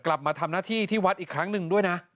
กลับมาทำหน้าที่ที่วัดอีกครั้งหนึ่งด้วยนะ